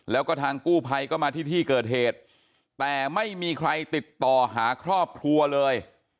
แล้วก็ทางกู้ภัยก็มาที่ที่เกิดเหตุแต่ไม่มีใครติดต่อหาครอบครัวเลย